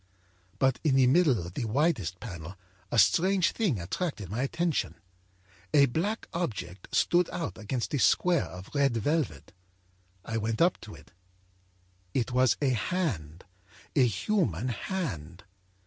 âBut in the middle of the widest panel a strange thing attracted my attention. A black object stood out against a square of red velvet. I went up to it; it was a hand, a human hand.